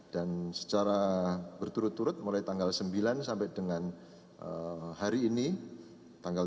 dan secara berturut turut mulai tanggal sembilan sampai dengan hari ini tanggal tiga belas